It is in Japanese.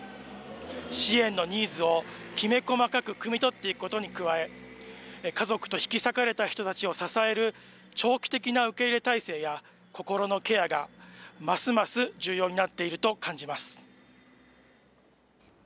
支援のニーズを、きめ細かくくみ取っていくことに加え、家族と引き裂かれた人たちを支える長期的な受け入れ体制や、心のケアがますます重要になっていると感じます。